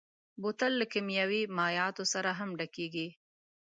بوتل له کيمیاوي مایعاتو سره هم ډکېږي.